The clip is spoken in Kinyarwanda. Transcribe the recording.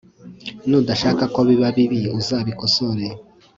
nudashaka ko biba bibi uzabikosore